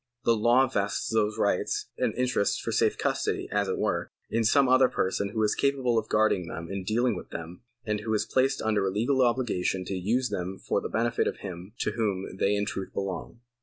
The law vests those rights and interests for safe custody, as it were, in some other person who is capable of guarding them and dealing with them, and who is placed under a legal obligation to use them for the benefit of him to whom they in truth belong.